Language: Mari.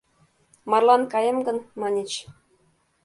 — «Марлан каем гын» маньыч.